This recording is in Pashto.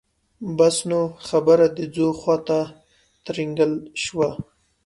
بس نو خبره د ځو خواته ترینګلې شوه.